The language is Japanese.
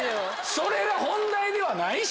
それが本題ではないし。